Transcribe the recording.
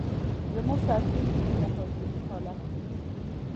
زموږ سرتېري په تهاجمي حالت کې و.